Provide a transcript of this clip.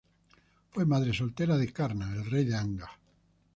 Fue madre soltera de Karna, el rey de Anga.